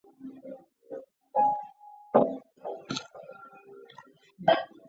你给我醒来！我命令你立刻给我睁开眼睛，听到了没有！